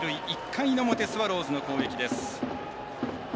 １回の表、スワローズの攻撃です。